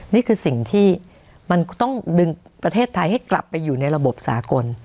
นี่คือสิ่งที่มันต้องดึงประเทศไทยให้กลับไปอยู่ในระบบสากล